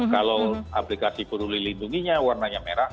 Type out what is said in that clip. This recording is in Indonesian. kalau aplikasi peduli lindunginya warnanya merah